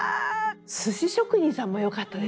寿司職人さんも良かったですね